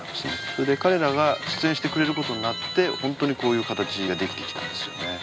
それで彼らが出演してくれることになってホントにこういう形ができてきたんですよね